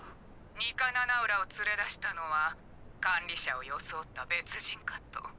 ニカ・ナナウラを連れ出したのは管理社を装った別人かと。